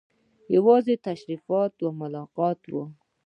یوازې تشریفاتي ملاقات وو.